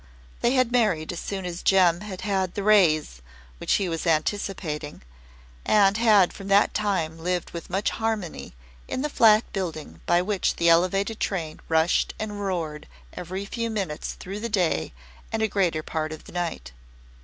They had married as soon as Jem had had the "raise" he was anticipating and had from that time lived with much harmony in the flat building by which the Elevated train rushed and roared every few minutes through the day and a greater part of the night.